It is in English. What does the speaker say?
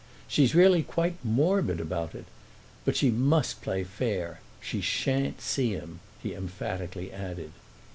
She's really quite morbid about it. But she must play fair—she shan't see him!" he emphatically added.